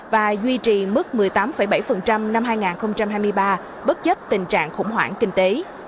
và duy trì mức một mươi tám bảy năm hai nghìn hai mươi ba bất chấp tình trạng khủng hoảng kinh tế